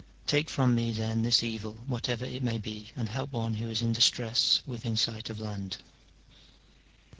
Take from me, then, this evil, whatever it may be, and help one who is in distress within sight of land.